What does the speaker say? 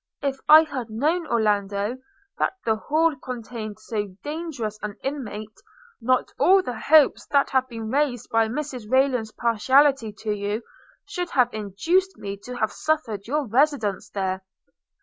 – If I had known, Orlando, that the Hall contained so dangerous an inmate, not all the hopes that have been raised by Mrs Rayland's partiality to you, should have induced me to have suffered your residence there.'